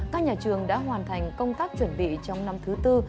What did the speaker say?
các nhà trường đã hoàn thành công tác chuẩn bị trong năm thứ tư